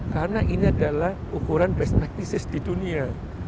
karena ini adalah ukuran best practices di dunia